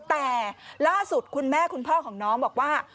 แต่ล่าสุดคุณแม่คุณพ่อของน้องบอกว่า